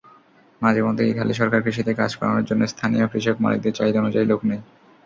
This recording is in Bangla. মাঝেমধ্যেই ইতালি সরকার কৃষিতে কাজ করানোর জন্য স্থানীয় কৃষি-মালিকদের চাহিদা অনুযায়ী লোক নেয়।